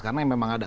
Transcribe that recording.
karena memang ada